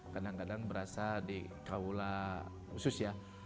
kadang kadang berasa di kaula khusus ya